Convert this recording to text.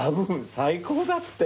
最高だって。